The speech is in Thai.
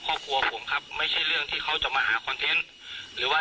ครอบครัวผมครับไม่ใช่เรื่องที่เขาจะมาหาคอนเทนต์หรือว่า